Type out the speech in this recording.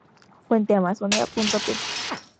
Fuente: amazonia.pe